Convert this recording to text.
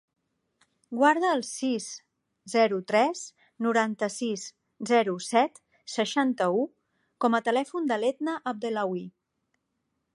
Guarda el sis, zero, tres, noranta-sis, zero, set, seixanta-u com a telèfon de l'Edna Abdellaoui.